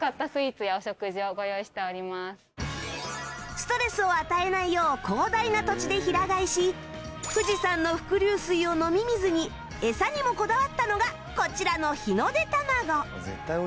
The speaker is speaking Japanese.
ストレスを与えないよう広大な土地で平飼いし富士山の伏流水を飲み水にエサにもこだわったのがこちらの日の出たまご